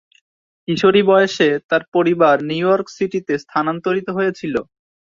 কিশোরী বয়সে তার পরিবার নিউ ইয়র্ক সিটিতে স্থানান্তরিত হয়েছিল।